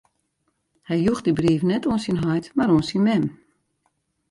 Hy joech dy brief net oan syn heit, mar oan syn mem.